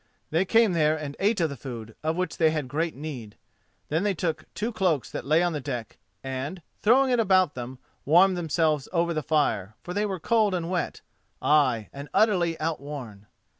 They came there and ate of the food, of which they had great need. Then they took two cloaks that lay on the deck, and, throwing them about them, warmed themselves over the fire: for they were cold and wet, ay, and utterly outworn.